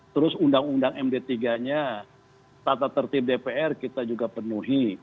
terus undang undang md tiga nya tata tertib dpr kita juga penuhi